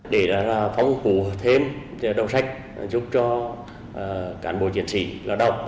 để phóng phủ thêm đầu sách giúp cho cán bộ chiến sĩ là đọc